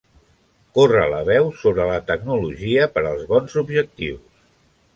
Corre la veu sobre la tecnologia per als bons objectius.